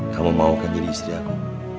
kamu mau akan jadi istri aku